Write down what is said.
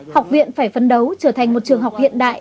học viện phải phấn đấu trở thành một trường học hiện đại